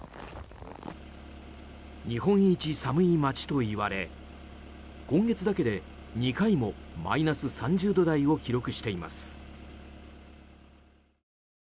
日本一寒い町といわれ今月だけで２回もマイナス３０度台を記録しています。